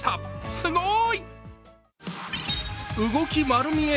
すごい。